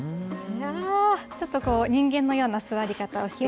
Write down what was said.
ちょっとこう、人間のような座り方をしている。